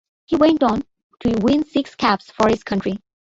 He went on to win six caps for his country.